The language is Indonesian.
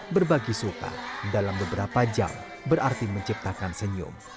berbagi suka dalam beberapa jam berarti menciptakan senyum